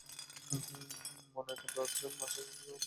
মনে একান্ত আশা ছিল, আজ আর মাস্টার আসিবে না।